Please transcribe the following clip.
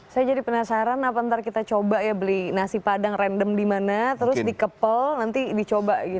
saya jadi penasaran apa nanti kita coba ya beli nasi padang random di mana terus dikepel nanti dicoba gitu